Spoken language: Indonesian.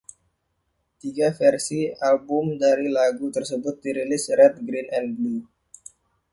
Tiga versi album dari lagu tersebut dirilis: Red, Green and Blue.